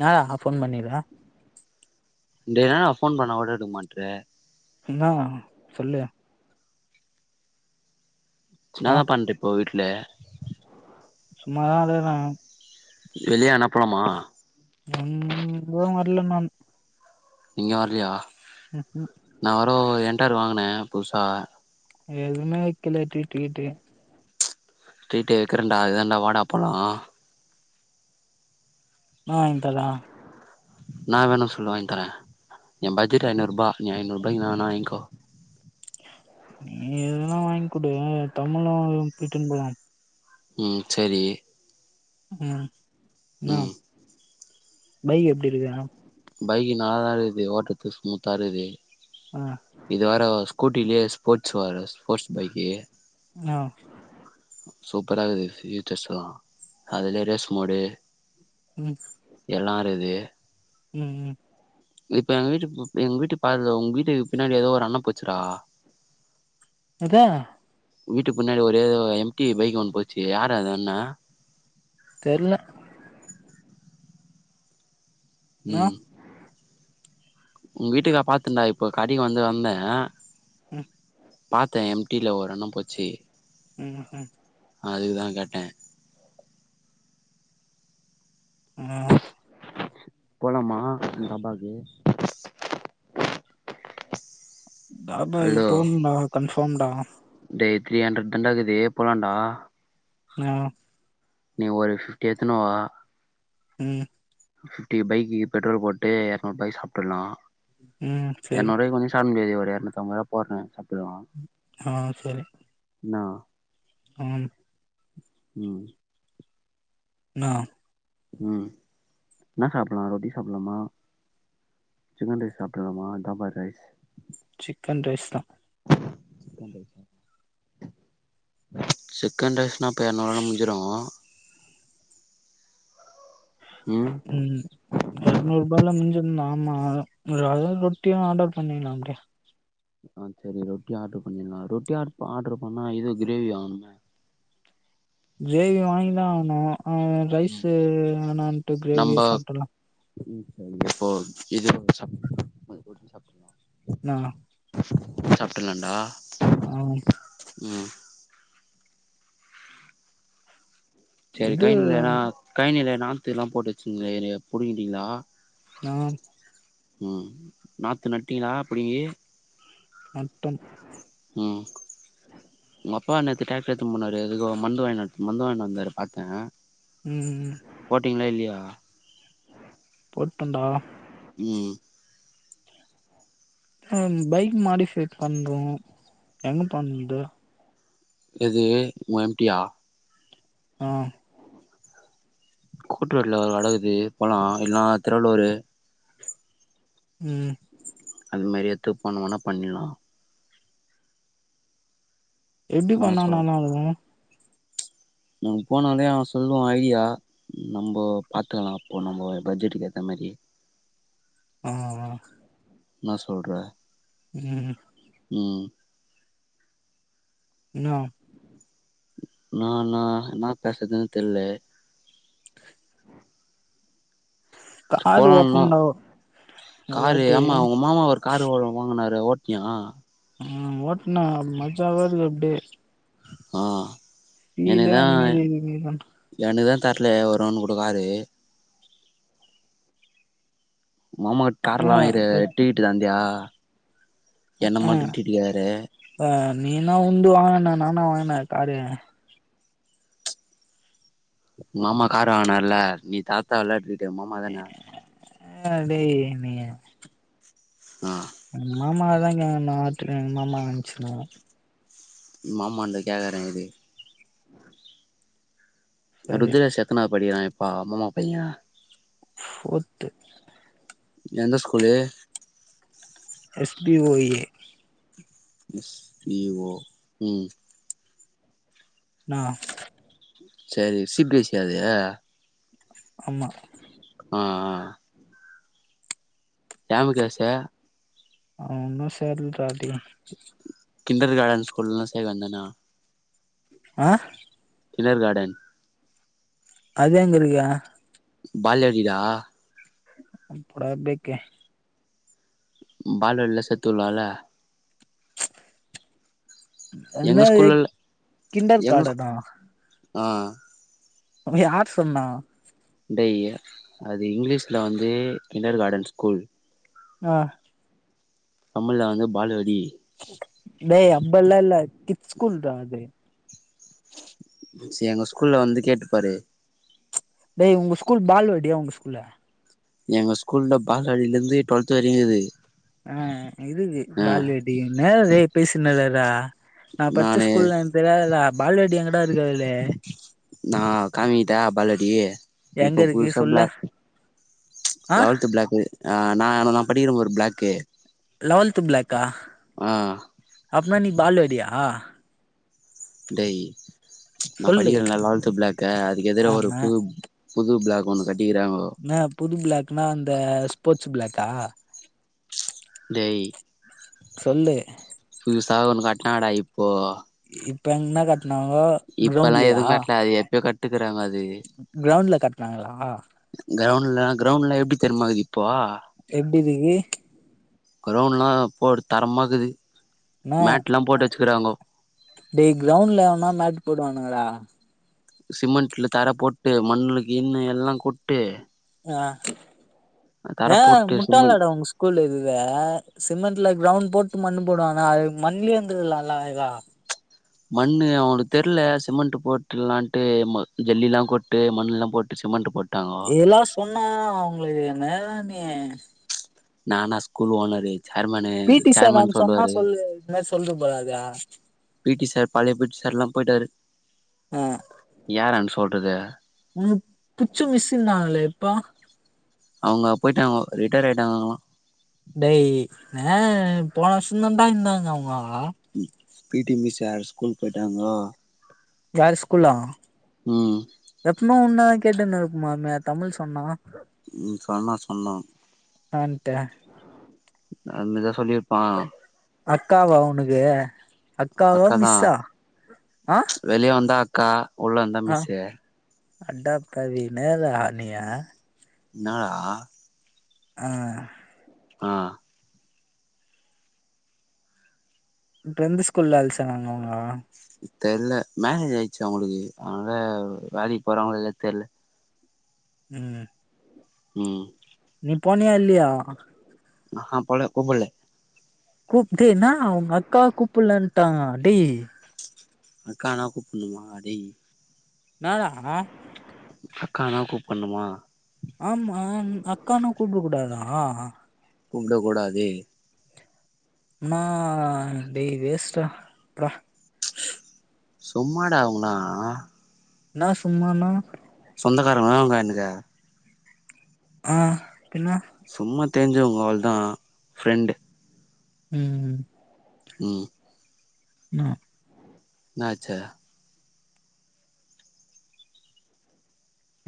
ன்னடா phone பண்ணிருக்க டே ன்னா டா போன் பண்ணா கூட எடுக்க மாட்டற இன்னா சொல்லு ஆ சென்னாதா பண்ற இப்போ வீட்டுல சும்மா தா இருர வெளியே எங்னா போலாமா எங்கும் வரல நான் எங்யு வர்லயா உஹும் ஓ என்டாறு வாங்குனே புதுசா எதுமே வக்கல டிரீட்டு கிரீட்டு டிரீட்டு வக்கிறன்டா அதாண்டா வாடா போலாம் ஆஹ் வாங்தல ன்னா வேணு சொல்லு வாங்கி தர என் பட்ஜெட் ஐய்நூருபா நீ ஐய்நூறுரூபாய்கு ன்னாவேனா வாய்ங்கோ நீ எதுனா வாங்குடு தமிழாழுங் கிட்டந்து ம் செரி ம் என்னா ம் பைக் எப்டி இருக்க பைக் நல்ல தா இருக்குது ஓட்டறத்து ஸ்மூத்தா இருக்குது ஆ இது வேற ஸ்கூட்டிலியே ஸ்போட்ஸ் வாரஸ் போட்ஸ் பைக்கி ஆ சூப்பரா இக்குது பியூச்ர்ஸ்லா அதுல ரெஸ் மோடு ம் எல்லாருக்குது ம் ம் இப்ப எங்க வீட்டு எங்க வீட்டு பாரு உங்க வீட்டுக்கு பின்னாடி ஏதோ ஒரு அண்ணா போச்சுறா எதே வீட்டுக்கு முன்னாடி ஒரே ஏதோ எம்டி பைக் ஒண்ணு போச்சி யாரு அந்த அண்ணா தெர்ல என்னா ம் உங்க வீட்டுக்கா பாத்தன்டா இப்போ கடிக் வந்து வந்தே ம் பாத்தே எம் டி ல ஒரு அண்ண போச்சி ம் ஹூ அதுக் தா கேட்ட ம் போலாமா இந் பாபாக்கு பாபாகு போனுன்னா கன்ஃபாம்டா டே த்ரீ ஹண்ட்ரட் தான்டா இக்குது போலாடா நா நீ ஒரு ஃபிப்டி எத்துனு வா ம் ஃபிப்டி பைகிக்கி பெட்ரோல் போட்டு எறனூருபாய்கு சாப்ட்ர்லா ம் சரி எறநூற்வாய்கு கொஞ்சோ சாப்ட முடியாது ஒரு எறநூத்தம்பரூவா போட்ற சப்புலா ஆ செரி என்னா ஆம் ம் என்னா ம் என்ன சாப்பல்லா ரொட்டி சாப்புட்லாமா சிக்கன் ரைஸ் சாப்ட்ரலாமா தாபா ரைஸ் சிக்கன் ரைஸ் தா சிக்கன் ரைஸா சிக்கன் ரைஸ்னா அப்ப எற நூறுவால முடிஞ்சிரு ம் எறநூறுபால முன்ஞ்சிரு ம் ஆமா அதுவு ரொட்டியு ஆடர் பண்ணிலா அப்டியே ஆ செரி ரொட்டி ஆட்ரு பண்ணிட்லா ரொட்டி ஆரு ஆட்ரு பண்ணா இது கிரேவி வாங்கனுமே கிரேவி வாங்கிதா ஆவுனு அ ரைஸூ வேணான்ட்டு நம்ப கிரேவியே சாப்ட்டுர்லா ம் சரி இப்போ இது சாப் [unintelligible] நா சாப்ட்டர்லாண்டா ஆ ம் ம் செரி இது கைன் இல்லனா கைனில நாத்துலா போட்டு வச்சிங்ளே நெறைய புடுங்கிட்டீங்ளா நா ம் ம் நாத்து நட்டீங்ளா புடிங்கி நட்டம் ம் உங்க அப்பா நேத்து டிராக்ட்டர் எத்துனு போனாரு எதுக்கோ மருந்து வாங்கின் வந்தாரு பாத்தே ம்‌ ம் ட்டீங்களா இல்லையா போட்டோண்டா ம் பைக் மாடிஃபை பன்ரோம் எங்க பன்து எது உ எம்ட்டியா ஆ கோட்டு ரோட்ல ஒரு கடகீது போலா இல்லனா திருவள்ளூரு ம் அதுமேரி எத்து போனோம்னா பன்னிட்லா எப்டி என்ன சொல் பண்ணானம்மா அவ்ங்க நம்ம போனாலே அவ சொல்லுவா ஐடியா நம்போ பாத்துக்கலா அப்போ நம்ம பட்ஜெட்டுக்கு ஏத்த மாறி சரி ஆ ஆ ன்னா சொல்ர ம் ம் என்னா என்னா என்னா என்னா பேசதுன்னு தெர்ல கார் போலாம்னா ஓட்டணும்டா ஒரு காரு வாட்டி ஆமா உங் மாமா ஒரு காரு ஓன்னு வாங்குனாரு அது ஓட்னியா ம்‌ ஒட்ன மஜாவாருக்கு அப்டியே ஆ என்க்தா மாதிரி என்க்தா தர்ல ஒரு ரவுண்ட் கூட காரு உங் மாமா கார்ல்லா ஆஹ் வாங்கிருக்காரு டிரீட்டு தந்தியா என்ன ஆஹ் மட்டு டீரீட்டு கேக்குற ஆ நீனா உன்து வாங்கனா நா நானா வாங்குன காரு உங்க மாமா காரு வாங்குனாருல நீ தர தேவ ட்ரீட்டு உங்க மாமா தானே அடேய் நீ ஆ எங் மாமாவ தா கேக்கனோ ட்ரீட் எங்க மாமா வச்சுனு உங் மாமான்ட கேக்கரே இரு சரி ருத்ரேஷ் எத்தனாவது படிகிரா இப்ப மாமா பைய ஃபோர்த்து எந்த school S P O A S P O ம் என்னா சரி சிபிஎஸ்இ அது ஆமா. ஆ ஆ டேம்காச அவ உன்னு சேர்லா டியு கிண்டர் கார்டன்ஸ் ஸ்கூல்லனான சேர்க்க வேண்டிதானே ஆ கிளர்கார்டன் அது எங்க இருக்கு பால்வாடுயிக்குதா போடா பேக்கு பால்வாடில சேர்த்து வுடலால்ல எங்க என்னது ஸ்கூல்ல கிண்டர் எங்க ஸ்கூ கார்டனா அ யார் சொன்னா டேய் அது இங்கிலீஷ்ல வந்து கிண்டர் கார்டன் ஸ்கூல் அ தமிழ்ல வந்து பாலுவாடி டேய் அப்ட்லா இல்ல கிட்ஸ் ஸ்கூல்டா அது சேர் எங்க ஸ்கூல்ல வந்து கேட்டு பாரு டேய் உங்க ஸ்கூல் பால்வாடியா உங்க ஸ்கூல்ல எங்க ஸ்கூல்லல பால்வாடியில இருந்து டுவெல்த் வரையு இக்குது அ இருக்கு பால்வாடி என்னெயோ ஒன்னு பேசினு இற்றா நா படிச்ச நானு ஸ்கூல்ல தெரியாதுல்ல பால்வாடி எங்கடா இருக்குதுல்லே நா காமிகிட்டா பால்வாடி எங்க இப்ப இருக்கு புதுசா சொல்லு பிளாக்கு ஆ லெவல்த்து பிளாக்கு நா நா படிக்கிற பாரு பிளாக்கு லவன்தூ பிளக்கா ஆ அப்பிடினா நீ பால்வாடியா டேய் நா சொல்லு படிக்கறல லெவன்த் பிளாக்கு அதுக்கு எதிரே ஒரு ஆமா புது புது பிளாக் ஒண்ணு கட் என்ன புது பிளாக்னா இந்த ஸ்போர்ட்ஸ்சு பிளக்கா டேய் சொல்லு புதுசா ஒன்னு கட்டுனாங்கடா இப்போ இப்ப எங்கன்ன காட்டுனாங்கோ இப்பல்லா கிரவ்ண்டுலையா எதுவு கட்ல அது எப்பயோ கட்டுக்குறாங்க அது கிரவ்ண்டுல கட்டுனாங்களா கிரவுண்ட்ல கிரவுண்ட்ல எப்டி தெரியுமா எப்டி இருக்கு கிரவுண்டுல்லா இப்போ தரமா இக்குது என்ன மேட் எல்லா போட்டு வெச்சுக்கிறாங்கோ டேய் கிரவுண்டுல எவனா மேட் போடுவானுங்கடா சிமெண்ட்ல தர போட்டு மண்ணு கின்னு எல்லா கொட்டு அ தர ஏ போட்டு சிமெண்ட் முட்டாளட உங்க ஸ்கூல்ல இதுத சிமெண்ட்ல கிரவுண்ட் போட்டு மண்ணு போடுவாங்க அதுக்கு மண்லயே இருந்துக்கலால அழகா மண்ணு அவங்களுக்கு தெர்ல சிமெண்ட் போட்டுலான்ட்டு ஜல்லி எல்லா போட்டு மண் எல்லா போட்டு சிமெண்ட் போட்டு இதல்லா சொன்னா அவங்களுக்கு என்னடா நீ நானா ஸ்கூல்லு owner chairman P T sir chairman நான்ட சொன்னா சொல்லுவாரு சொல்லு இந்த மாரி சொல்லிட்டு போறாறு பி டி சார் பழைய பி டி சார்ல்லா போயிட்டாரு ஆ யாரான்ட சொல்றது உனக்கு புடிச்ச மிஸ் இருந்தாங்களலே இப்போ அவங்க போய்ட்டாங்க ரிட்டைடு ஆயிட்டாங்கோ அவங்களா டேய் ஏ போன வருஷோ தடா இருந்தாங்க அவுங்கோ பி டி மிஸ் வேற ஸ்கூல் போயிட்டாங்கோ வேற ஸ்கூல்லா ம் எப்புமே உன்ன கேட்டுனு இரு க்குமாமே தமிழ் சொன்னா ம் சொன்னா சொன்னா [unintelligible] அதுமேரி எதுனா சொல்லிருப்பா அக்காவா உனக்கு அக்காவா அக்காதா மிஸ்ஸா அ வெளிய வந்தா அக்கா உள்ள இருந்தா மிஸ்சு அட்டாக் ரவி மேல ஆணியா என்ன டா ஆ ஆ இப்ப எந்த ஸ்கூல்ல வேல் சேந்தாங்க அவுங்க தெர்ல மேரேஜ் ஆயிடுச்சு அவங்களுக்கு அதனால வேலைக்கு போறாங்கள இல்லயோ தெர்ல ம் ம் நீ போனியா இல்லியா நா போல கூப்புல்ல கூப்ட்டு என்னா உங்கக்கா கூப்பட்லடாங்க டேய் அக்கானா கூப்புட்ணுமா டேய் என்னடா அக்கானா கூப்பட்ணுமா ஆமா அக்கானா கூப்புடக் கூடாதா கூப்புடக்கூடாது மா டேய் வேஸ்ட்றா வுட்றா சும்மாட அவுங்களா என்னா சும்மான்னா சொந்தக்காரங்களா அவுங்க எனக்கு ஆ பின்ன சும்மா தெஞ்சவங்க அவ்ளோ தா ஃப்ரெண்டு ம் ம் ம் ன என்னாச்சு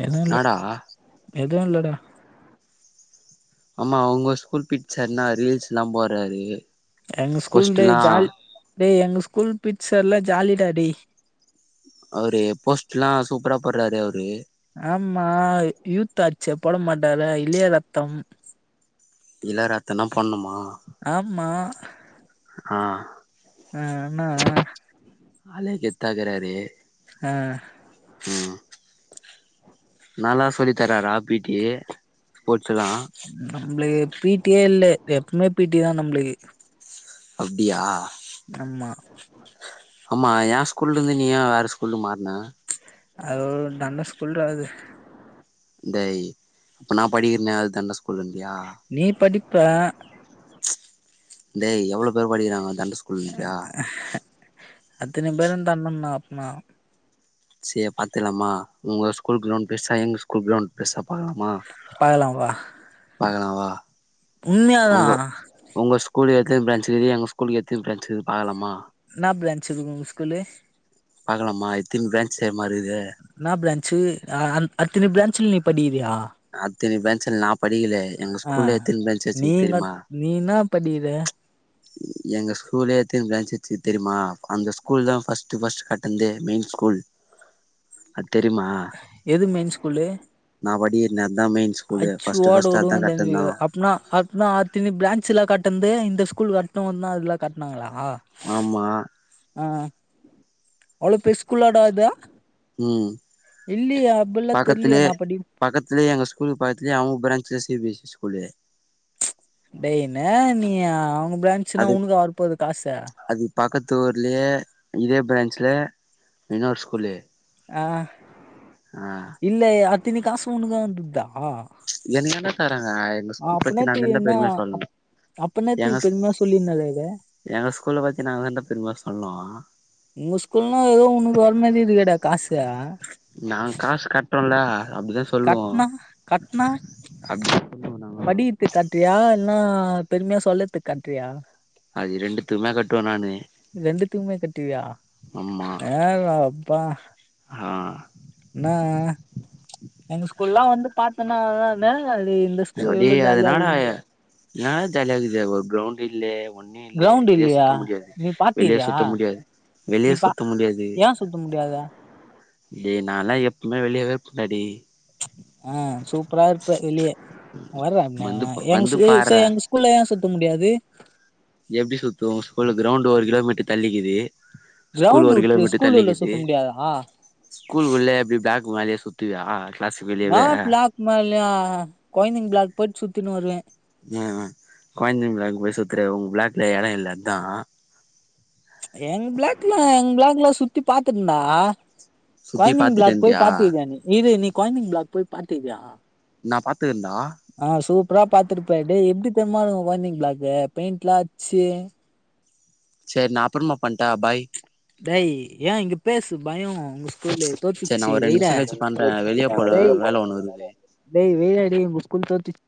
எதுவு இல்ல என்னடா எதுவு இல்லடா ஆமா அவங்க ஸ்கூல் பீ ட் சார் என்னா ரீல்ஸ்ல்லா போறாரு எங்க ஸ்கூல் டே ஜாலி டேய் எங்க ஸ்கூல் பீ டி சார்லா ஜாலிடா டேய் எல்லா சூப்பரா போட்றாரு அவரு ஆமா யூத் ஆச்சே போட மாட்டாரா இளய ரத்தம் இள ரத்தனா பண்ணுமா ஆமா ஆ அ என்ன ஆ ஆளே கெத்தாகிறாரு ஆ ம் நல்லா சொல்லி தராராப் பீ ட்டி நம்மளுக்கு பீட்டியே இல்ல எப்பமே பீ டி தா நம்ளுக்கு அப்டியா ஆமா ஆம்மா எ ஸ்கூல்ல இருந்து நீ ஏ வேற ஸ்கூல் மாத் ச் அது ஒர் தண்ட ஸ்கூல்றா அது டேய் அப்ப நா படிக்றனே அது தண்ட ஸ்கூலுன்றியா நீ படிப்ப டேய் எவ்ளோ பேர் படிக்றாங்கோ தண்ட ஸ்கூலுன்றியா அத்தன பேரு தண்டொந்தா அப்னா சே பாத்திர்லாமா உங்க ஸ்கூல் க்ரௌண்ட் பெர்சா எங்க ஸ்கூல் க்ரௌண்ட் பெர்சா பாக்லாமா பாக்கலா வா பாக்லா வா உண்மையாதா ஒங்க ஒங்க ஸ்கூல்ல எத்தின் ப்ரான்ச்சுகிது எங்க ஸ்கூல்ல எத்தின் ப்ரான்ச்சுக்கிதுன் பாக்லாமா என்னா ப்ரான்ச்சுது உங் ஸ்கூலு பாக்கலாமா எத்தின் ப்ரான்ச் தெர்மா இருகுது சு அ அந் அத்துன ப்ரான்ச்ல நீ படிக்கிறியா அத்தினி ப்ரான்ச்ல நா படிக்கிலே எங்க ஆ ஸ்கூல்ல எத்தின் ப்ரான்ச் வச்சிக் தெரிமா படிகிறே எங்க ஸ்கூலே எத்தின் ப்ரான்ச் வச்சிக் தெரிமா அந்த ஸ்கூல் தா ஃபஸ்ட்டு ஃபஸ்ட் கட்டந்தே மெயின் ஸ்கூல் அத் எது மெயின் ஸ்கூலு நா படிக்கிற அதா மெயின் ஸ்கூலு அச்சு ஃபர்ஸ்ட் ஓட ஃபர்ஸ்ட் அதா உடுவ கட்டுனா தெரிஞ்சுக்கோ அப்னா அப்னா அத்தினி ப்ரான்ச் எல்லா கட் டந்து இந்த ஸ்கூல் வர்ட்டூந்தா அத்லா கட்னாங்களா ஆமா ஆ அவ்ளோ பெரி ஸ்கூலாடா அத ம் தெர்லியே பக்கத்திலே நா படி பக்கத்திலே எங்க ஸ்கூலுக் பக்த்லியே அவுங் ப்ரான்ச்ல C B S C school ப்ரான்ச்னா உனுக்கா வர்ப்போது காசே தோர்லே இதே ப்ரான்ச்ல இன்னொர் ஸ்கூலு அ ஆ இல்லே அத்தினி காசு உனுகு வத்துத்தா எனுக்கு தான்டா தராங்க எங்க ஸ்கூல் அப்ப பத்தி நா நேத்துக்கு தான்டா என்ன பெருமையா சொல்னு அப்ப என்னாத்துக் பெருமையா சொல்லினுருகறே எங்க ஸ்கூல பத்தி நா தான்டா பெரும்யா சொல்ணூ உங்க ஸ்கூல்னா எதோ உனுக் வர் மாரி இருகேடா காசே நா காஸ் கட்டோல்ல கட்னா கட்னா அப்டி சொல்லுவோ நாங்க படிகித்துக் கட்றியா இல்னா பெருமையா சொல்லற்துக் கட்றியா அது ரெண்டுத்துமே கட்வே நானு த்துமே கட்டுவ்யா ஆமா ஏ ரப்பா ஆ அதனால்தா தே லி இந்த ஸ்கூல் இவ்ளோ ஜாலியாந்துது எனா ஜாலியாகுது ஒரு க்ரௌண்ட் இல்லே ஒன்னு இல்லே கிரௌண்ட் வெளியே இல்லையா சுத்த முடியாது நீ வெளியே பாத்துக்கிறியா சுத்த முடியாத் வெளியே நீ பா சுத்த முடியாது ஏன் சுத்த முடியாதா டே நாலா எப்புமே வெளியவே இர்ப்னேடா டேய் ஆ சூப்பரா இர்ப்ப வெளிய வர்றே அண்ணே வந்து எங் வந்து ஸ்கூ ச பார்றா எங் ஸ்கூல்ல ஏ சுத்த முடியாது எப்டி சுத்தூ ஸ்கூலு க்ரௌண்ட் ஒரு கிலோமீட்டர் தள்ளிக்கிது ஸ்கூல் கிரௌண்ட் ஒரு கிலோ உட்ரு மீட்டர் ஸ்கூல் உள்ள தள்ளிக்கிது சுத்த முடியாதா ஸ்கூல் உள்ள எப்டி ப்ளாக் மேல்யா சுத் த்துவ்யா நா ப்ளாக் மேல்யா கொயந்தைங் ப்ளாக் போயிட் சுத்தின் வருவே அ அ கொயைந்தைங் ப்ளாக் போய் சுத்துறே உங் ப்ளாக்ல எடோ இல்ல அதா எங் ப்ளாக்ல எங் ப்ளாக்ல சுத்தி பாத்துன்டா சுத்தி கொயந்தைங் பாத்துட்டு ப்ளாக் போய் இருந்தியா பாத்துகியா நீ இரு நீ கொயைந்தைங் ப்ளாக் போய் பாத்துகியா நா பாத்துக்கிறன்டா ஆ சூப்ரா பாத்துர்ப்ப டேய் எப்டித் தெர்மாகூ கொயைந்தைங் ப்ளாக்கு பெயிண்ட்லா அச்சு செர் நா அப்றமா பண்ட்டா பாய் டேய் ஏ இங்க பேசு பயோ உங்க ஸ்கூலு தோத்துச்சு வெய்டா ஆ வேல ஒன்னுருகுது டேய் வெய் டா டேய் உங்க ஸ்கூல் தோத்